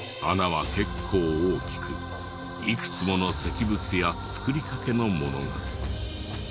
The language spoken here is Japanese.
穴は結構大きくいくつもの石仏や作りかけのものが。